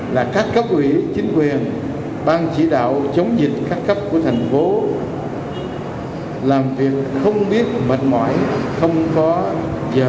là các cấp ủy chính quyền bang chỉ đạo chống dịch các cấp của thành phố làm việc không biết mệt mỏi không có giờ